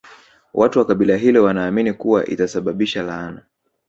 Watu wa kabila hilo wanaamini kuwa itasababisha laana